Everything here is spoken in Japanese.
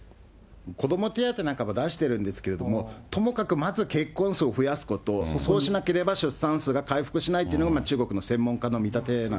子ども手当なんかも出してるんですけれども、ともかくまず結婚数を増やすこと、そうしなければ出産数が回復しないというのが中国の専門家の見立